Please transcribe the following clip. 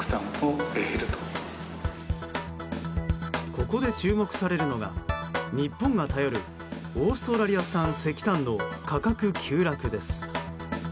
ここで注目されるのが日本が頼るオーストラリア産石炭の価格急落です。